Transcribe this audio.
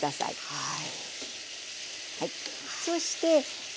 はい。